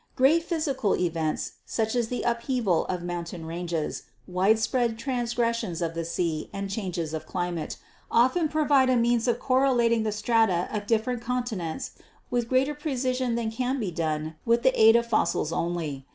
"Great physical events, such as the upheaval of moun tain ranges, widespread transgressions of the sea and changes of climate, often provide a means of correlating the strata of different continents with greater precision than can be done with the aid of fossils only.